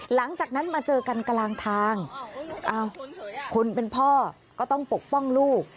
หลังจากนั้นมาเจอกันกลางทางคนเป็นพ่อก็ต้องปกป้องลูก